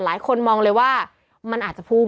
หลายคนมองเลยว่ามันอาจจะพุ่ง